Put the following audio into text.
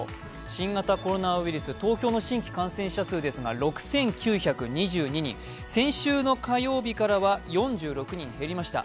新型コロナウイルス、東京の新規感染者数ですが６９２２人、先週の火曜日からは４６人減りました。